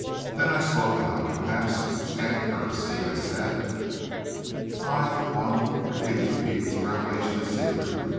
Then I spoke out, and, perhaps with scant courtesy, I said: "I, for one, refuse to keep this revelation a secret.